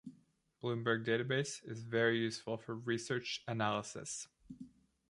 Bloomberg Database is very useful for Research Analysis.